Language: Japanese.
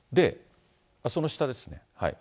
その下です。